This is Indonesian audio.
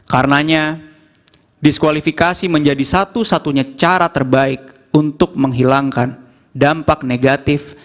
karenanya diskualifikasi menjadi satu satunya cara terbaik untuk menghilangkan dampak negatif